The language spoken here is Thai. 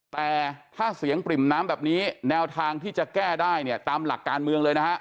แต่ถ้าเสียงปริ่มน้ำแบบนี้แนวทางที่จะแก้ได้เนี่ยตามหลักการเมืองเลยนะฮะ